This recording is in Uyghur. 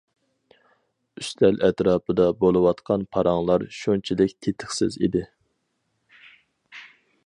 ئۈستەل ئەتراپىدا بولۇۋاتقان پاراڭلار شۇنچىلىك تېتىقسىز ئىدى.